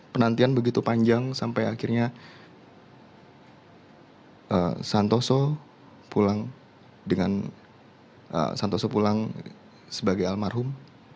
penantian begitu panjang sampai akhirnya santoso pulang sebagai almarhum